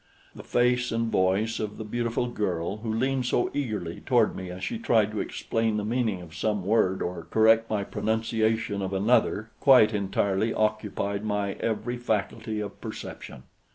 The face and voice of the beautiful girl who leaned so eagerly toward me as she tried to explain the meaning of some word or correct my pronunciation of another quite entirely occupied my every faculty of perception.